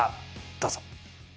どうぞ。